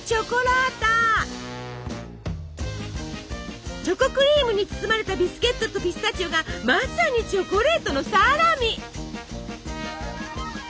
そしてチョコクリームに包まれたビスケットとピスタチオがまさにチョコレートのサラミ！